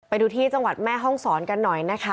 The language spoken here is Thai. ไปดูที่จังหวัดแม่ห้องศรกันหน่อยนะคะ